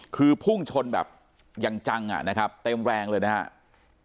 คือพุ่งชนแบบอย่างจังอ่ะนะครับเต็มแรงเลยนะครับ